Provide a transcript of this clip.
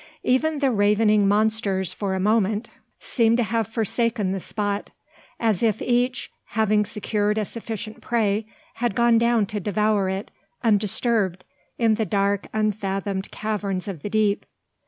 Even the ravening monsters, for a moment, seemed to have forsaken the spot, as if each, having secured a sufficient prey, had gone down to devour it undisturbed in the dark unfathomed caverns of the deep.